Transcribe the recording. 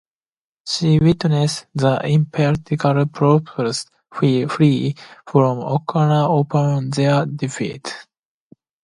She witnessed the imperial troops flee from Aucona upon their defeat.